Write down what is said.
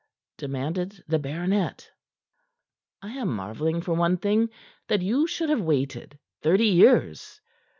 demanded the baronet. "I am marvelling, for one thing, that you should have waited thirty years."